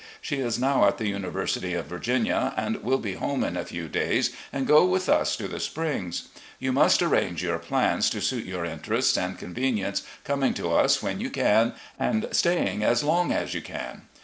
She is now at the University of Virginia, and will be home in a few days and go with us to the Springs. You must arrange your plans to stdt your interests and convenience, coming to us when you can and staying as long as you can.